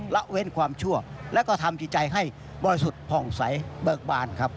เละเว้นความชั่วและก็ทำใจให้บ่อยสุดผ่องใสบอกบานครับ